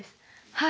はい。